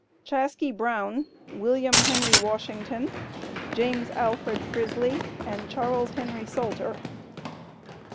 Chaskey Brown, Wm. Henry Washington, James Alfred Frisley, and Charles Henry Salter.